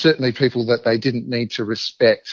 sebagai orang orang yang tidak perlu dihormati